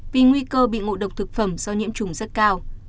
vì nguy cơ bị ngộ độc thực phẩm do nhiễm trùng rất cao